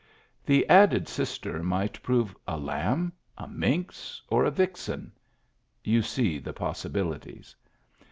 The added sister might prove a lamb, a minx, or a vixen. You see the possibilities.